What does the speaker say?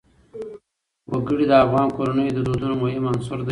وګړي د افغان کورنیو د دودونو مهم عنصر دی.